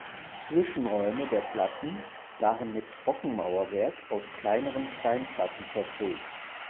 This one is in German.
Die Zwischenräume der Platten waren mit Trockenmauerwerk aus kleineren Steinplatten verfüllt.